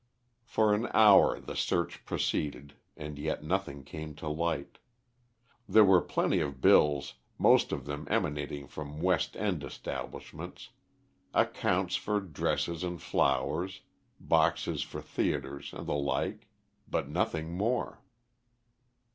For an hour the search proceeded and yet nothing came to light. There were plenty of bills, most of them emanating from West End establishments accounts for dresses and flowers, boxes for theaters, and the like, but nothing more.